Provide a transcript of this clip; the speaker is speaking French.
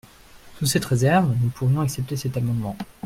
Sous cette réserve, nous pourrions accepter cet amendement.